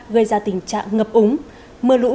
gây ra tình trạng ngập úng mưa lũ